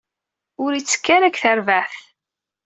Ur itekki ara deg terbaɛt.